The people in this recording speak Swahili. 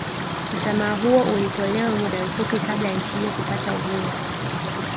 Msamaha huo ulitolewa muda mfupi kabla ya nchi hiyo kupata uhuru